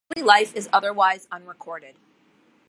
His early life is otherwise unrecorded.